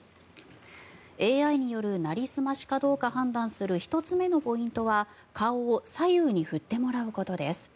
ＡＩによるなりすましかどうか判断する１つ目のポイントは顔を左右に振ってもらうことです。